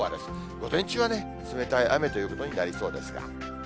午前中は冷たい雨ということになりそうですが。